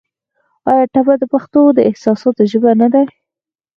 آیا ټپه د پښتو د احساساتو ژبه نه ده؟